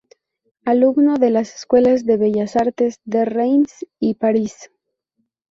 Alumno de las escuelas de Bellas Artes de Reims y París.